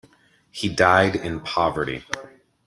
He died in poverty.